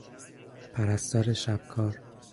پرستار شب کار